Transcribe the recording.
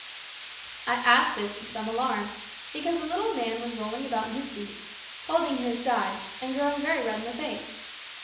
I asked this in some alarm, because the little man was rolling about in his seat, holding his sides, and growing very red in the face.